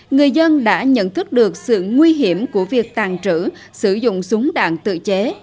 người dân đã nhận thức được sự nguy hiểm của việc tàn trữ sử dụng súng đạn tự chế